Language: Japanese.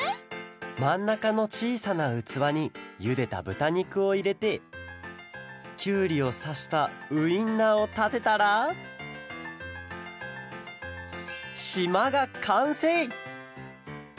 まんなかのちいさなうつわにゆでたぶたにくをいれてきゅうりをさしたウインナーをたてたらしまがかんせい！